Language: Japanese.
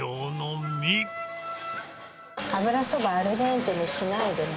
油そば、アルデンテにしないでね。